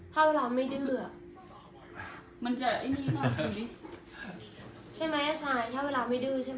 ใช่ไหมเอ่อชายเท่าเวลาไม่เดื้อใช่ไหม